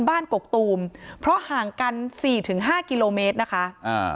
กกตูมเพราะห่างกันสี่ถึงห้ากิโลเมตรนะคะอ่า